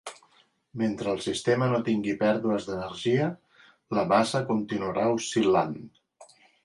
Mentre el sistema no tingui pèrdues d'energia, la massa continuarà oscil·lant.